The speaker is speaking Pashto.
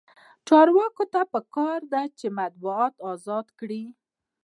چارواکو ته پکار ده چې، مطبوعات ازاد کړي.